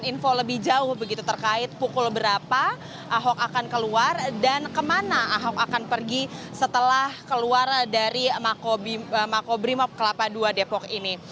dan info lebih jauh begitu terkait pukul berapa ahok akan keluar dan kemana ahok akan pergi setelah keluar dari makobrimup kelapa dua depok ini